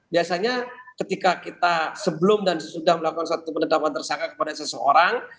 biasanya ketika kita sebelum dan sesudah melakukan suatu penetapan tersangka kepada seseorang